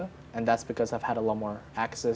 dan itu karena saya memiliki banyak akses